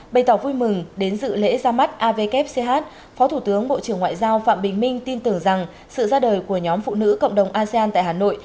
bày tỏ vui mừng đến dự lễ ra mắt avkch phó thủ tướng bộ trưởng ngoại giao phạm bình minh tin tưởng rằng sự ra đời của nhóm phụ nữ cộng đồng asean tại hà nội